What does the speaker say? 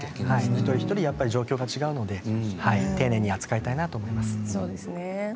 一人一人状況が違うので丁寧に扱いたいなと思います。